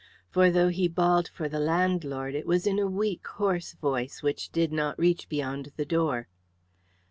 For though he bawled for the landlord it was in a weak, hoarse voice, which did not reach beyond the door.